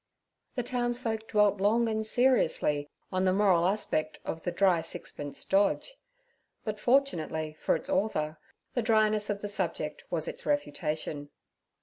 The townsfolk dwelt long and seriously on the moral aspect of the 'dry sixpence' dodge; but, fortunately for its author, the dryness of the subject was its refutation.